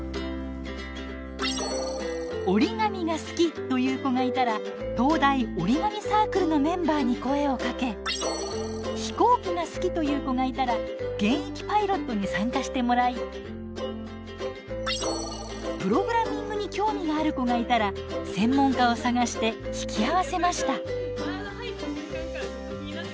折り紙が好きという子がいたら東大折り紙サークルのメンバーに声をかけ飛行機が好きという子がいたら現役パイロットに参加してもらいプログラミングに興味がある子がいたら専門家を探して引き合わせました。